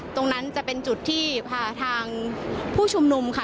ตรงนั้นจะเป็นจุดที่พาทางผู้ชุมนุมค่ะ